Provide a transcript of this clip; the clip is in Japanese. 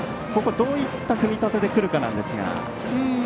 どういった組み立てでくるかですが。